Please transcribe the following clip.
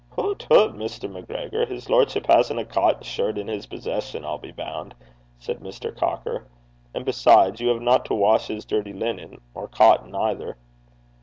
'Hoot, hoot! Mr. MacGregor, his lordship hasn't a cotton shirt in his possession, I'll be bound,' said Mr. Cocker. 'And, besides, you have not to wash his dirty linen or cotton either.'